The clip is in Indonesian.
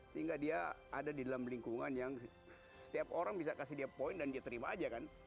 sehingga dia ada di dalam lingkungan yang setiap orang bisa kasih dia poin dan dia terima aja kan